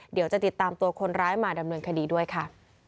เดี๋ยวจะติดตามตัวคนร้ายมาดำเนินคดีด้วยค่ะ